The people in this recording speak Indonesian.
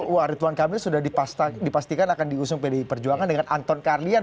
wah ridwan kamil sudah dipastikan akan diusung pdi perjuangan dengan anton karlian